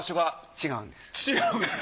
違うんです。